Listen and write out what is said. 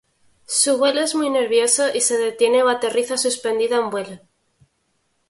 Su vuelo es muy nervioso y se detiene o aterriza suspendida en vuelo.